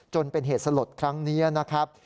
จนเป็นเหตุสลดครั้งนี้นะครับ